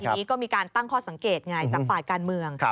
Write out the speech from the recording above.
ทีนี้ก็มีการตั้งข้อสังเกตไงจากฝ่ายการเมือง